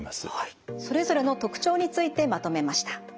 それぞれの特徴についてまとめました。